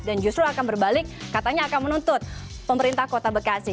dan justru akan berbalik katanya akan menuntut pemerintah kota bekasi